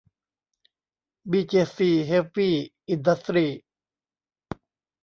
บีเจซี เฮฟวี่ อินดัสทรี